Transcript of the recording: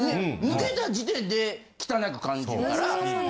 抜けた時点で汚く感じるから。